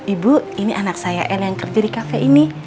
ibu ini anak saya l yang kerja di kafe ini